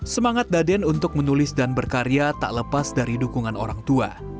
semangat daden untuk menulis dan berkarya tak lepas dari dukungan orang tua